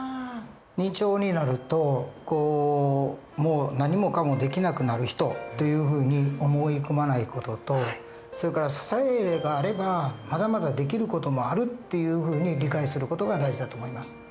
認知症になるともう何もかもできなくなる人というふうに思い込まない事とそれから支えがあればまだまだできる事もあるっていうふうに理解する事が大事だと思います。